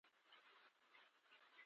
پوخ عقل ټولنه رغوي